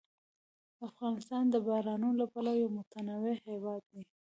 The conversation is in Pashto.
افغانستان د بارانونو له پلوه یو متنوع هېواد دی.